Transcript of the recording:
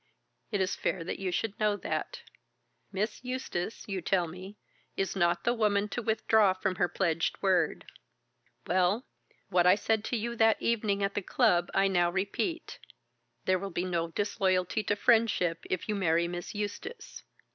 It is fair that you should know that. Miss Eustace, you tell me, is not the woman to withdraw from her pledged word. Well, what I said to you that evening at the club I now repeat. There will be no disloyalty to friendship if you marry Miss Eustace."